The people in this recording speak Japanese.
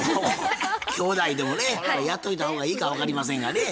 きょうだいでもねやっといた方がいいか分かりませんがね。